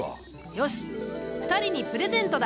よし２人にプレゼントだ。